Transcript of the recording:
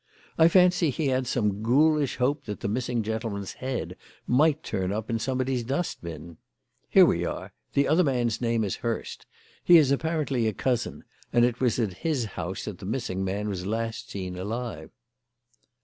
I fancy he had some ghoulish hope that the missing gentleman's head might turn up in somebody's dust bin. Here we are; the other man's name is Hurst. He is apparently a cousin, and it was at his house that the missing man was last seen alive."